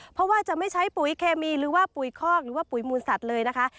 เพราะว่าจะไม่ใช้ปุ๋ยเคมีหรือว่าปุ๋ยคอกหรือว่าปุ๋ยมูลสัตว์เลยนะคะ